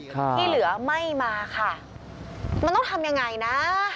ที่เหลือไม่มาค่ะมันต้องทำยังไงนะ